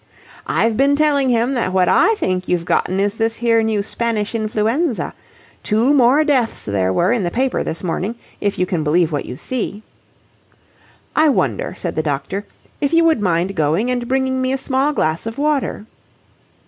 "I've been telling him that what I think you've gotten is this here new Spanish influenza. Two more deaths there were in the paper this morning, if you can believe what you see..." "I wonder," said the doctor, "if you would mind going and bringing me a small glass of water?"